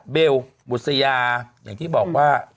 เบลบุษยาอย่างที่บอกว่า